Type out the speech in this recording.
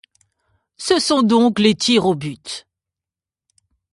Ce sont donc les tirs au but.